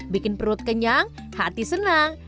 bikin perut kenyang hati senang